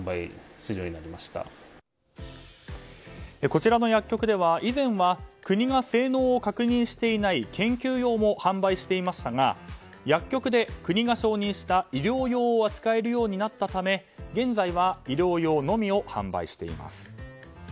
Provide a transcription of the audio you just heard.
こちらの薬局では以前は国が性能を確認していない研究用も販売していましたが薬局で国が承認した医療用を扱えるようになったため現在は医療用のみを販売しています。